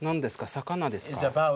魚ですか？